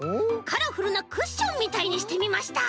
カラフルなクッションみたいにしてみました！